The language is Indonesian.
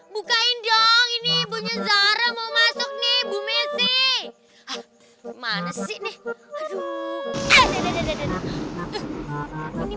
bukain dong ini punya zara mau masuk nih bume sih mana sih nih aduh